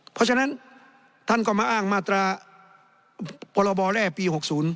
เพราะฉะนั้นท่านก็มาอ้างมาตราพรบแร่ปี๖๐